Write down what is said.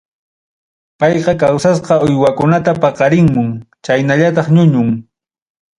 Payqa kawsasqa uywakunata paqarinmun chaynallataq ñuñun.